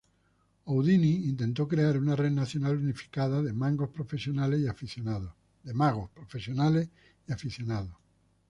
Houdini intentó crear una red nacional unificada, de magos profesionales y aficionados.